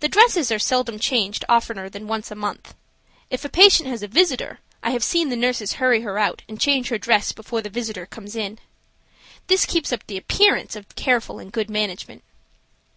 The dresses are seldom changed oftener than once a month. If the patient has a visitor, I have seen the nurses hurry her out and change her dress before the visitor comes in. This keeps up the appearance of careful and good management.